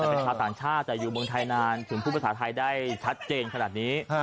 แต่เป็นชาวต่างชาติแต่อยู่เมืองไทยนานถึงพูดภาษาไทยได้ชัดเจนขนาดนี้